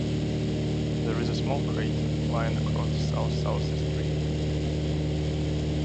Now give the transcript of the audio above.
There is a small crater lying across the south-southeast rim.